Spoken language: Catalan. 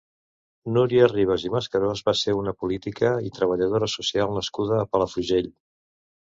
Núria Rivas i Mascarós va ser una política i treballadora social nascuda a Palafrugell.